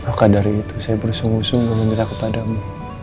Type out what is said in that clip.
maka dari itu saya bersungguh sungguh meminta kepadamu